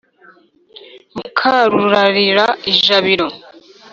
Mukarurarira ijabiro.